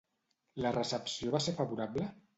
La recepció va ser favorable?